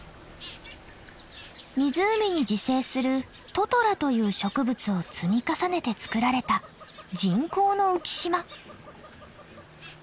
湖に自生するトトラという植物を積み重ねてつくられた人工の浮き島。